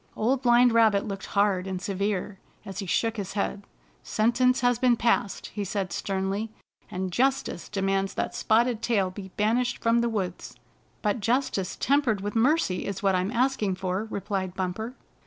Old Blind Rabbit looked hard and severe, as he shook his head. " Sentence has been passed," he said sternly, " and justice demands that Spotted Tail be banished from the woods." " But justice tempered with mercy is what I'm asking for," replied Bumper.